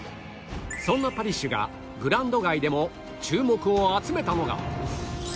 そんなパリッシュがグラウンド外でも注目を集めたのが